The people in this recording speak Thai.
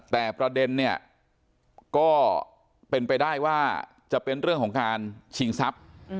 แต่ประเด็นเนี่ยก็เป็นไปได้ว่าจะเป็นเรื่องของการชิงทรัพย์